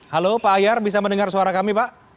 halo pak ahyar bisa mendengar suara kami pak